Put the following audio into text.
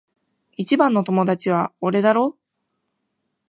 一番の友達は俺だろ？